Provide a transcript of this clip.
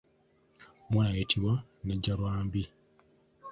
Omuwala ayitibwa nnajjalwambi.